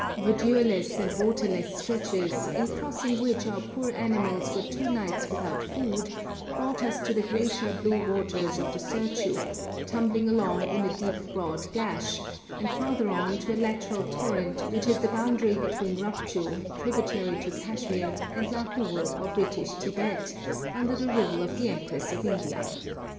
Verdureless and waterless stretches, in crossing which our poor animals were two nights without food, brought us to the glacier blue waters of the Serchu, tumbling along in a deep broad gash, and farther on to a lateral torrent which is the boundary between Rupchu, tributary to Kashmir, and Lahul or British Tibet, under the rule of the Empress of India.